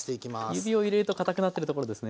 指を入れるとかたくなってるところですね。